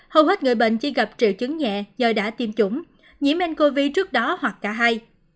hầu hết người bệnh chỉ gặp triệu chứng nhẹ do đã tiêm chủng nhiễm ncov trước đó hoặc cả hai